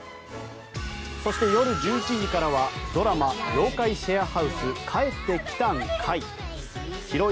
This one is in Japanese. そして、夜１１時からはドラマ「妖怪シェアハウス―帰ってきたん怪―」。